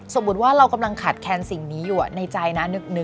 สมมุติว่าเรากำลังขาดแคนสิ่งนี้อยู่ในใจนะ